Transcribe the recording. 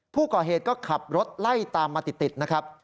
ผู้ก่อเหตุก็ขับรถไล่ตามมาติดนะครับ